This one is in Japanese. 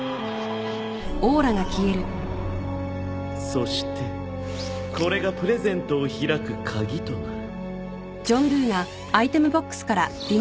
そしてこれがプレゼントを開く鍵となる。